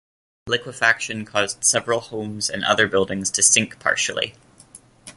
Liquefaction caused several homes and other buildings to sink partially.